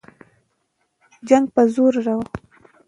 جنګ په زور روان وو.